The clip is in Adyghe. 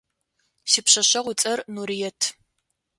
Сипшъэшъэгъу ыцӏэр Нурыет.